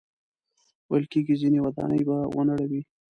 ویل کېږي ځینې ودانۍ به ونړوي.